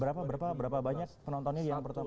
berapa banyak penontonnya di yang pertama